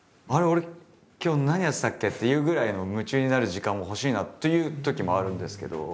俺今日何やってたっけ？っていうぐらいの夢中になる時間も欲しいなっていうときもあるんですけど。